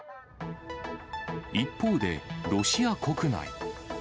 一方で、ロシア国内。